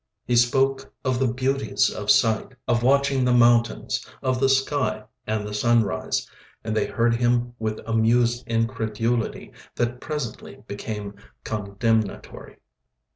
He spoke of the beauties of sight, of watching the mountains, of the sky and the sunrise, and they heard him with amused incredulity that presently became condemnatory.